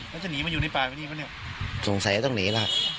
แล้วจะหนีมาอยู่ในปลายไหมเนี่ยสงสัยต้องหนีแหละครับ